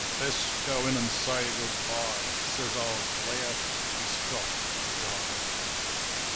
"Best go in an' say Good bye," Says old Blair. "He's got to die."